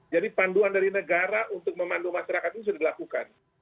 jadi panduan dari negara untuk memandu masyarakat ini sudah dilakukan